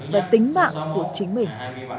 và tính mạng của chính mình